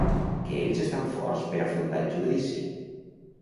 I que ells estan forts per afrontar el judici.